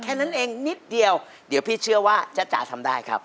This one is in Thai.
แค่นั้นเองนิดเดียวเดี๋ยวพี่เชื่อว่าจ๊ะจ๋าทำได้ครับ